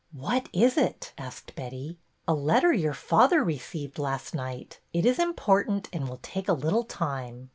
''What is it?" asked Betty. " A letter your father received last night. It is important and will take a little time."